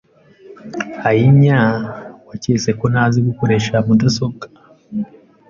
Ayinya! Waketse ko ntazi gukoresha mudasobwa.